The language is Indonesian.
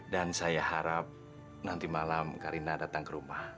dan saya harap nanti malam karina datang ke rumah